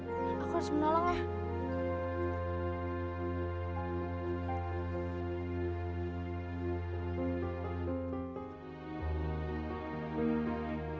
aku harus menolong ya